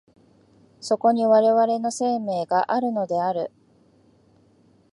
そこに我々の生命があるのである。